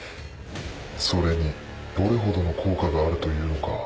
それにどれほどの効果があるというのか。